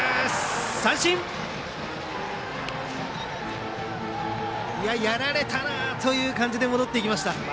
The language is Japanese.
三振！やられたなという感じで戻っていきました。